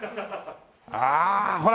ああほら！